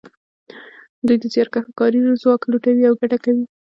دوی د زیارکښو کاري ځواک لوټوي او ګټه کوي